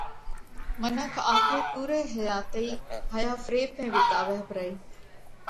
منک آپرئِي پُورئِي حياتئِي هائيا فريڀ ۾ وِيتاوئه پرئِي۔